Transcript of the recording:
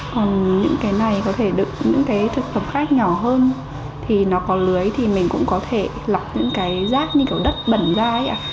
còn những cái này có thể được những cái thực phẩm khác nhỏ hơn thì nó có lưới thì mình cũng có thể lọc những cái rác như kiểu đất bẩn ra ấy ạ